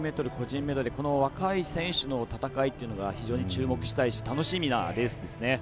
この若い選手の戦いっていうのが非常に注目したいし楽しみなレースですね。